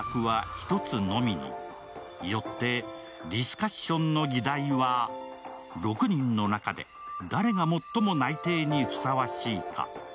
ディスカッションの議題は、６人の中で誰が最も内定にふさわしいか。